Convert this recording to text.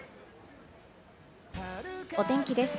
お天気です。